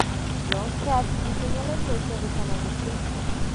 John Heath diseñó la Iglesia de San Agustín.